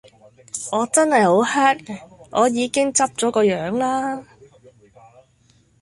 我真係好 hurt， 我已經執咗個樣啦!